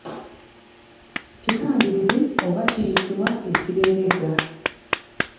Kikambirizi oba kiyitibwa ekireregga.